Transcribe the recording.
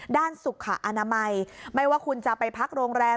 สุขอนามัยไม่ว่าคุณจะไปพักโรงแรม